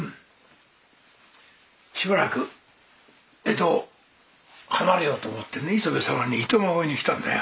しばらく江戸を離れようと思って磯部様に暇乞いに来たんだよ。